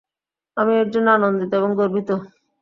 আমি এর জন্য আনন্দিত এবং গর্বিত।